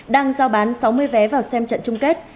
đang giao bán sáu mươi vé vào xem trận chung kết